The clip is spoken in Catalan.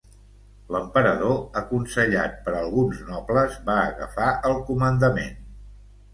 L'emperador, aconsellat per alguns nobles, va agafar el comandament.